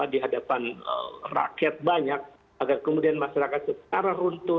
di hadapan rakyat banyak agar kemudian masyarakat secara runtuh